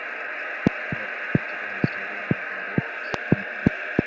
kama ilivyoandikwa katika Historia ya Agathias alikuwa mkulima wa prankster